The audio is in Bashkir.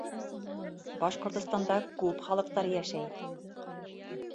Башҡортостанда күп халыҡтар йәшәй.